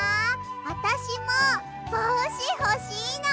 あたしもぼうしほしいな。